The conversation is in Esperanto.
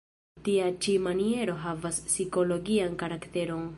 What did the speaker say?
Tia ĉi maniero havas psikologian karakteron.